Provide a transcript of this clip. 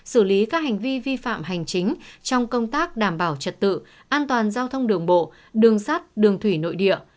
xử lý các hành vi vi phạm hành chính trong công tác đảm bảo trật tự an toàn giao thông đường bộ đường sắt đường thủy nội địa